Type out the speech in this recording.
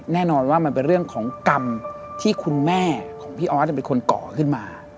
แน่นอนว่ามันเป็นเรื่องของกรรมที่คุณแม่ของพี่ออสเป็นคนก่อขึ้นมา